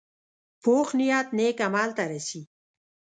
پوخ نیت نیک عمل ته رسي